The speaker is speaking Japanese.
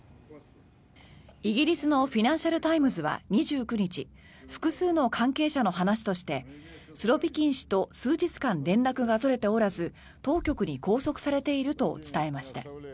イギリスのフィナンシャル・タイムズは２９日複数の関係者の話としてスロビキン氏と数日間連絡が取れておらず当局に拘束されていると伝えました。